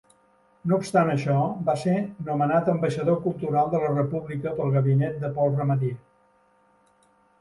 No obstant això, va ser nomenat ambaixador cultural de la República pel gabinet de Paul Ramadier.